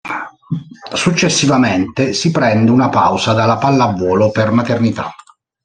Successivamente si prende una pausa dalla pallavolo per maternità.